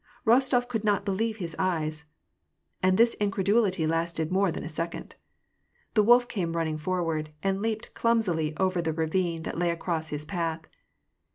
Rostof could not believe his eyes ; and this incredulity lasted more than a second. The wolf came running forward, and leaped clumsily over the ravine that lay across his path.